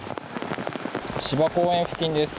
芝公園付近です。